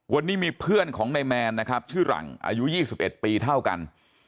วันนี้มีเพื่อนของนายแมนนะครับชื่อหลังอายุ๒๑ปีเท่ากัน